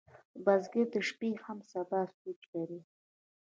بزګر د شپې هم د سبا سوچ لري